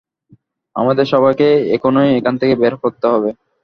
আমাদের সবাইকে এখনই এখান থেকে বের করতে হবে।